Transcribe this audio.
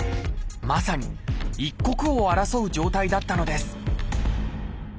まさに一刻を争う状態だったのです